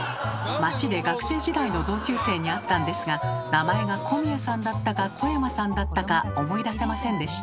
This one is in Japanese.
街で学生時代の同級生に会ったんですが名前が小宮さんだったか小山さんだったか思い出せませんでした。